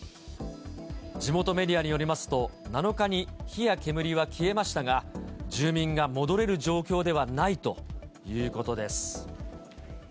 地元メディアによりますと、７日に火や煙は消えましたが、住民が戻れる状況ではないということです。